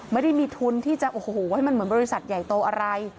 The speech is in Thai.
ไม่ได้มีทุนที่จะโอ้โหให้มันเหมือนบริษัทใหญ่โตอะไร